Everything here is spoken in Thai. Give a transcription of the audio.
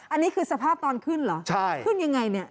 อันนี้คือสภาพตอนขึ้นเหรอใช่ขึ้นยังไงเนี่ย